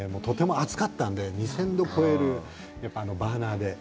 とても熱かったんで、２０００度を超えるバーナーで。